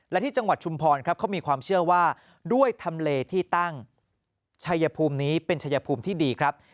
และที่จังหวัดชุมพรครับเขามีความเชื่อว่าด้วยทำเลที่ตั้งชัยภูมินี้เป็นชัยภูมิที่ดีครับ